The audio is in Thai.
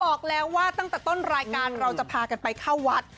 บอกแล้วว่าตั้งแต่ต้นรายการเราจะพากันไปเข้าวัด